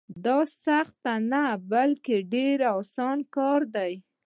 دا سخت نه بلکې ډېر اسان کار دی.